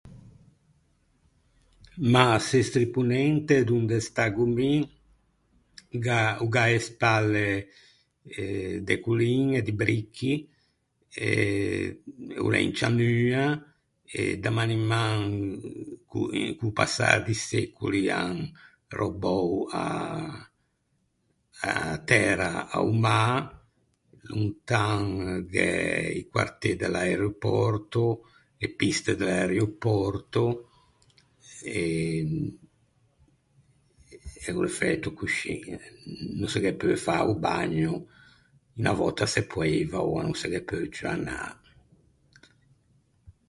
Ma, Sestri Ponente, donde staggo mi, gh'à, o gh'à a-e spalle eh de colliñe, di bricchi, e o l'é in cianua, e da maniman, co- eh co-o passâ di secoli, an röbou a a tæra a-o mâ. Lontan gh'é i quartê de l'aeropòrto, e piste de l'aeropòrto. E e o l'é fæto coscì, no se ghe peu fâ o bagno. Unna vòtta se poeiva, oua no se ghe peu ciù anâ.